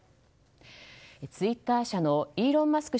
ツイッター社のイーロン・マスク